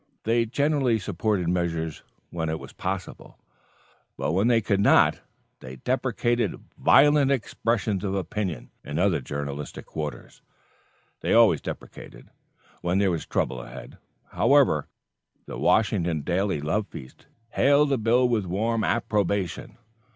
They generally supported measures, when it was possible; but when they could not they "deprecated" violent expressions of opinion in other journalistic quarters. They always deprecated, when there was trouble ahead. However, 'The Washington Daily Love Feast' hailed the bill with warm approbation.